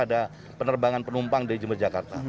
ada penerbangan penumpang dari jember jakarta